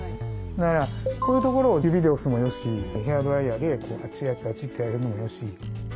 だからこういうところを指で押すもよしヘアドライヤーでこうアチアチアチとやるのもよし。